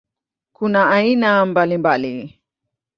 Kuna aina mbalimbali.